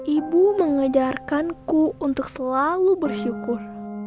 ibu mengajarkanku untuk selalu bersyukur